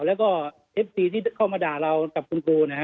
แล้วก็เอฟซีที่เข้ามาด่าเรากับคุณครูนะฮะ